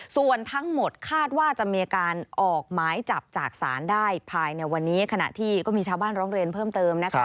ส่วนทั้งหมดคาดว่าจะมีการออกหมายจับจากศาลได้ภายในวันนี้ขณะที่ก็มีชาวบ้านร้องเรียนเพิ่มเติมนะคะ